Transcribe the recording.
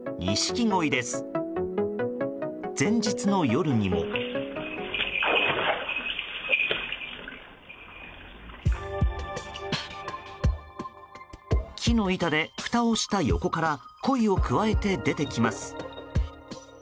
木の板でふたをした横からコイをくわえて出てきます。